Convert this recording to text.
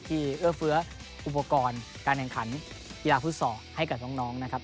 ที่เออเฟื้ออุปกรณ์การแข่งขันธีราภูตศอดิ์ให้กับน้องนะครับ